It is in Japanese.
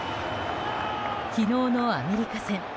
昨日のアメリカ戦。